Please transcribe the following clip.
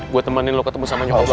gue temenin lo ketemu sama nyokap gue